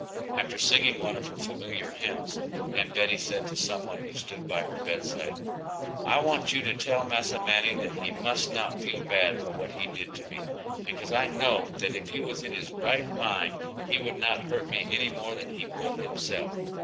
After singing one of her familiar hymns, Aunt Betty said to some one who stood by her bedside, "I want you to tell Massa Manning that he must not feel bad for what he did to me, because I know that if he was in his right mind he would not hurt me any more than he would himself.